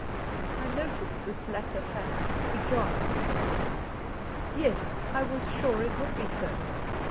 I noticed this latter fact to John. "Yes, I was sure it would be so.